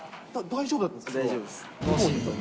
大丈夫です。